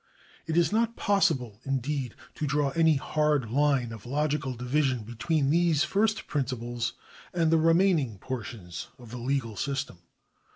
It is not possible, indeed, to draw any hard line of logical division be tween these first principles and the remaining portions of the legal system.